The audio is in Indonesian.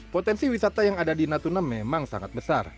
potensi wisata yang ada di natuna memang sangat besar